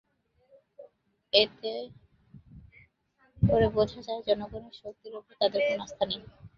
এতে করে বোঝা যায়, জনগণের শক্তির ওপর তাদের কোনো আস্থা নেই।